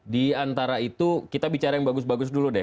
di antara itu kita bicara yang bagus bagus dulu deh